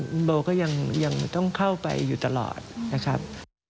คุณโบก็ยังต้องเข้าไปอยู่ตลอดนะครับ